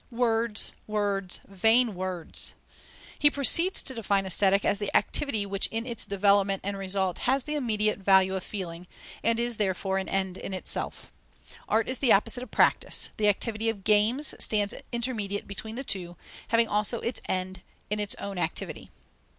Words! Words! Vain words! He proceeds to define Aesthetic as the activity which in its development and result has the immediate value of feeling, and is, therefore, an end in itself. Art is the opposite of practice; the activity of games stands intermediate between the two, having also its end in its own activity.